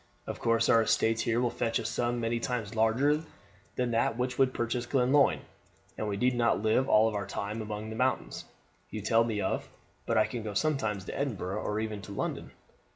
Of course our estates here will fetch a sum many times larger than that which would purchase Glenlyon, and we need not live all our time among the mountains you tell me of, but can go sometimes to Edinburgh or even to London.